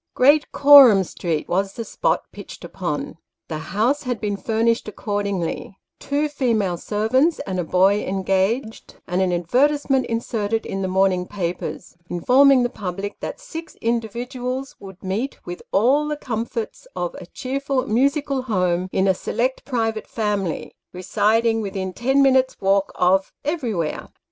Great Coram Street was the spot pitched upon. The house had been furnished accordingly ; two female ser vants and a boy engaged ; and an advertisement inserted in the morning papers, informing the public that " Six individuals would meet with all the comforts of a cheerful musical home in a select private family, residing within ten minutes' walk of" everywhere.